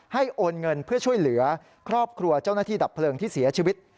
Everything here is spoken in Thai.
โอนเงินเพื่อช่วยเหลือครอบครัวเจ้าหน้าที่ดับเพลิงที่เสียชีวิต